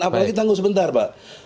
apalagi tanggung sebentar pak